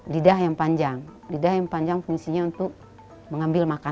lidah yang panjang lidah yang panjang fungsinya untuk mengambil makanan